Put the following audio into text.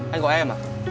anh gọi em à